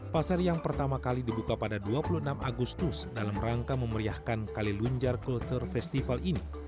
pasar yang pertama kali dibuka pada dua puluh enam agustus dalam rangka memeriahkan kalilunjar kultur festival ini